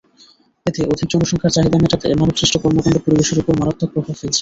এতে অধিক জনসংখ্যার চাহিদা মেটাতে মানবসৃষ্ট কর্মকাণ্ড পরিবেশের ওপর মারাত্মক প্রভাব ফেলছে।